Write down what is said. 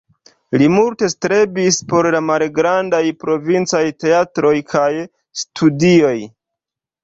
Li multe strebis por la malgrandaj provincaj teatroj kaj studioj.